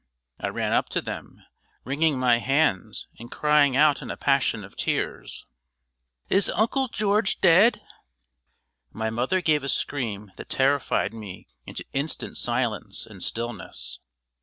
I ran up to them, wringing my hands, and crying out in a passion of tears: "Is Uncle George dead?" My mother gave a scream that terrified me into instant silence and stillness.